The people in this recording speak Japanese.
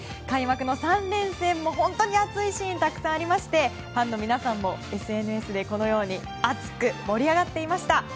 開幕の３連戦も本当に熱いシーンがたくさんありましてファンの皆さんもＳＮＳでこのように熱く盛り上がっていました。